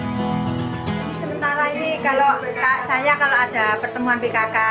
sebentar lagi kalau saya kalau ada pertemuan bkk